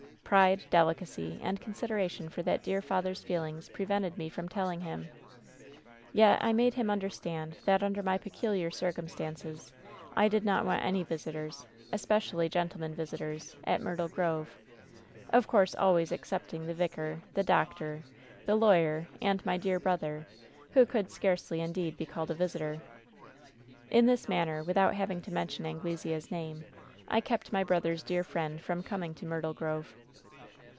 Pride, delicacy and consideration for that dear father's feelings pre vented me from telling him. Yet I made him under stand that, under my peculiar circumstances, I did not want any visitors, especially gentlemen visitors, at Myr tle Grove — of course always excepting the vicar, the doctor, the lawyer and my dear brother, who could scarcely, indeed, be called a visitor. "In this manner, without having to mention Angle sea's name, I kept my brother's dear friend from coming to Myrtle Grove.